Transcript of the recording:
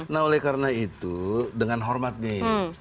nah oleh karena itu dengan hormat nih